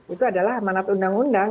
itu adalah amanat undang undang